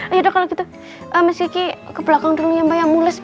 ayo kalau gitu mas ki ki ke belakang dulu ya mbak yang mulus